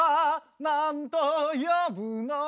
「なんと呼ぶのか」